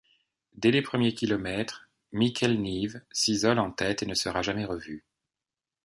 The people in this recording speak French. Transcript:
Dès les premiers kilomètres, Mikel Nieve s'isole en tête et ne sera jamais revu.